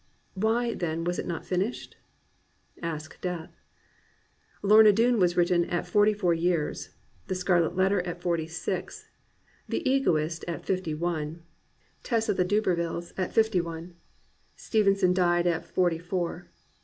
Why, then, was it not finished.^ Ask Death. Loma Doone was written at forty four years: The Scarlet Letter at forty six: The Egoist at fifty one: Tess of the D^UrherviUes at fifty one. Steven son died at forty four.